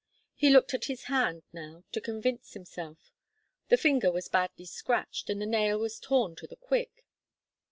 He looked at his hand now to convince himself. The finger was badly scratched, and the nail was torn to the quick.